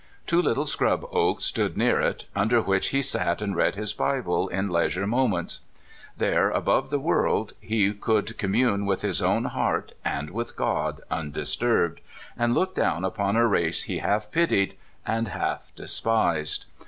Two little scrub oaks stood near it, under which he sat and read his Bible in leisure moments. There, above the world, he could commune with his own heart and with God undisturbed, and look down upon a race he half pitied and half despised.